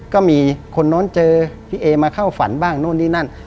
ก็มีคนโน้นเจอพี่เอมาเข้าฝันบ้างโน่นนี่นั่น